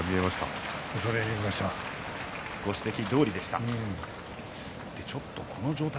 ご指摘のとおりでした。